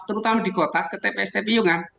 terutama di kota ke tpst piyungan